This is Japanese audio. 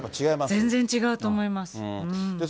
全然違うと思います。